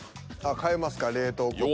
変えますか冷凍庫手。